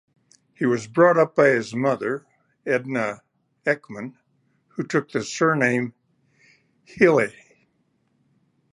He was brought up by his mother, Edla Eckman, who took the surname Hille.